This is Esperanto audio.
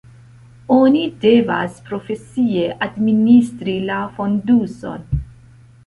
Oni devas profesie administri la fonduson.